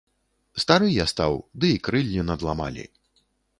Стары я стаў, ды і крыллі надламалі.